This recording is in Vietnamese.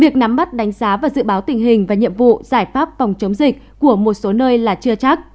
việc nắm bắt đánh giá và dự báo tình hình và nhiệm vụ giải pháp phòng chống dịch của một số nơi là chưa chắc